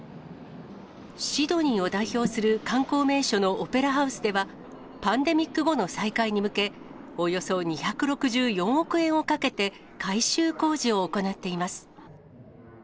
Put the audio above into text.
シドニーを代表する観光名所のオペラハウスでは、パンデミック後の再開に向け、およそ２６４億円をかけて、改修工事を行っています。